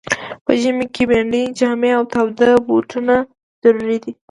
په ژمي کي پنډي جامې او تاوده بوټونه ضرور دي.